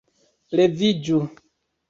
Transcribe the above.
Leviĝu!